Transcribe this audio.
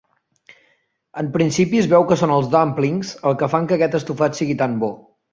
En principi, es veu que són els "dumplings" els que fan que aquest estofat sigui tan bo.